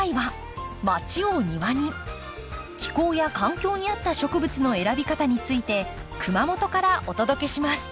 気候や環境に合った植物の選び方について熊本からお届けします。